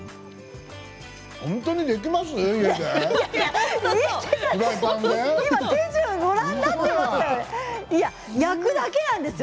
本当にできます？